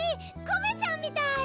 コメちゃんみたい！